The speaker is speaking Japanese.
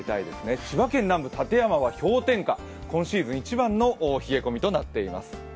千葉県南部・館山は氷点下、今シーズン一番の冷え込みとなっています。